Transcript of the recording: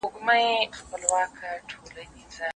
چي استاد وو پر تخته باندي لیکلی